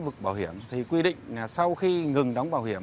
vực bảo hiểm thì quy định là sau khi ngừng đóng bảo hiểm